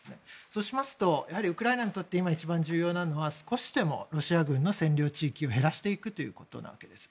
そうしますとウクライナにとって今、一番重要なのは少しでもロシア軍の占領地域を減らしていくということなわけです。